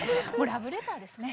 ラブレターですね。